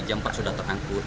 jam empat sudah terangkut